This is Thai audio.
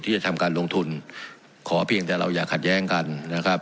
ที่จะทำการลงทุนขอเพียงแต่เราอย่าขัดแย้งกันนะครับ